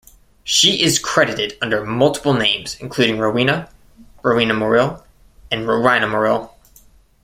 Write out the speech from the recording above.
She is credited under multiple names, including Rowena, Rowena Morrill, and Rowina Morril.